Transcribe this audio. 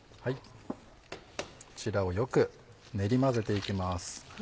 こちらをよく練り混ぜていきます。